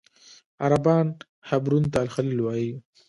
عربان حبرون ته الخلیل وایي.